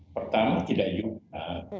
pertama tidak juga